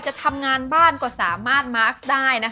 จะทำงานบ้านก็สามารถมาร์คได้นะคะ